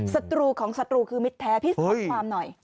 ศัตรูของศัตรูคือมิตรแท้พี่สอนความหน่อย